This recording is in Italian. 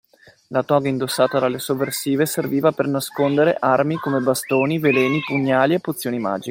La toga indossata dalle sovversive serviva per nascondere armi come bastoni, veleni, pugnali e pozioni magiche.